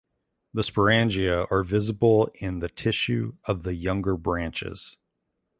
The sporangia are visible in the tissue of the younger branches.